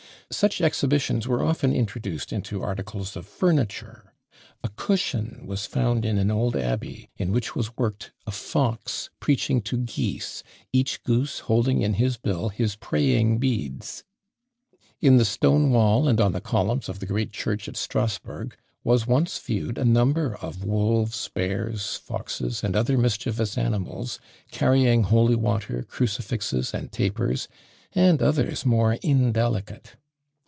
'" Such exhibitions were often introduced into articles of furniture. A cushion was found in an old abbey, in which was worked a fox preaching to geese, each goose holding in his bill his praying beads! In the stone wall, and on the columns of the great church at Strasburg, was once viewed a number of wolves, bears, foxes, and other mischievous animals, carrying holy water, crucifixes, and tapers; and others more indelicate.